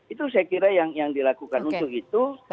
itu saya kira yang dilakukan untuk itu